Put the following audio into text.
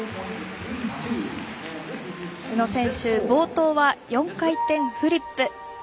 宇野選手、冒頭は４回転フリップ。